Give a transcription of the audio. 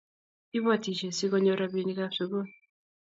Ipotisiei si konyor rapinik ab sukul